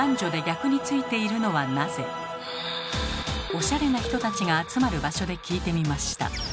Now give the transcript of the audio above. おしゃれな人たちが集まる場所で聞いてみました。